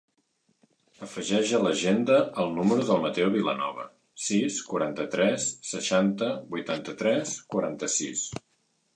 Afegeix a l'agenda el número del Matteo Vilanova: sis, quaranta-tres, seixanta, vuitanta-tres, quaranta-sis.